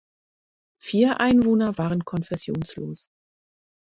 Vier Einwohner waren konfessionslos.